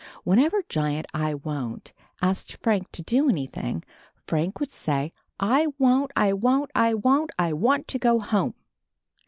Whenever Giant I Won't asked Frank to do anything, Frank would say: "I won't, I won't, I won't! I want to go home."